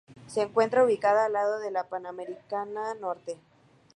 Se encuentra ubicada al lado de la Panamericana Norte.